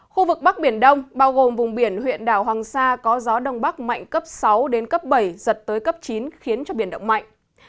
khu vực bắc biển đông bao gồm vùng biển huyện đảo hoàng sa có gió đông bắc mạnh cấp sáu đến cấp bảy giật tới cấp chín khiến cho biển động mạnh